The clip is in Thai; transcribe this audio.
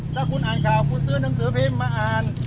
ถ้าคุณอ่านข่าวคุณซื้อหนังสือพิมพ์มาอ่าน